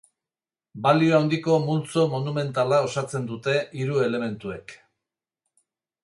Balio handiko multzo monumentala osatzen dute hiru elementuek.